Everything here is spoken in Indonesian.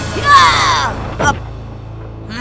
tidak ada apa apa